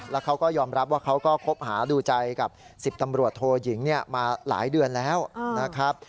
แล้วเขาก็ยอมรับว่าเขาก็คบหาดูใจกับ๑๐ตำรวจโทยิงมาหลายเดือนแล้วนะครับ